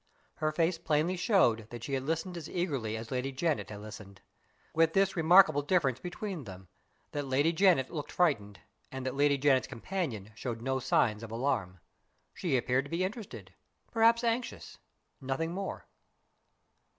Her face plainly showed that she had listened as eagerly as Lady Janet had listened; with this remarkable difference between there, that Lady Janet looked frightened, and that Lady Janet's companion showed no signs of alarm. She appeared to be interested; perhaps anxious nothing more.